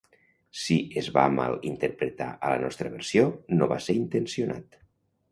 Si es va mal interpretar a la nostra versió, no va ser intencionat.